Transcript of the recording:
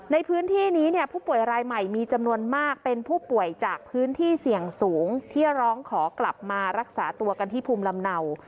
ในพื้นที่นี้เนี่ยผู้ป่วยรายใหม่มีจำนวนมากเป็นผู้ป่วยจากพื้นที่เสี่ยงสูงที่ร้องขอกลับมารักษาตัวกันที่ภูมิลำเนา